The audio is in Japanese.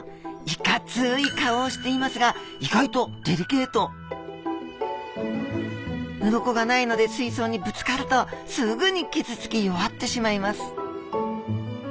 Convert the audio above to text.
いかつい顔をしていますが鱗がないので水槽にぶつかるとすぐに傷つき弱ってしまいます。